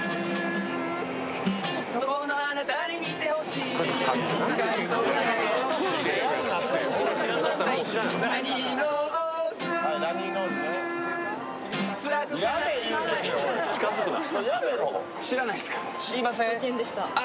そこのあなたに見てほしい。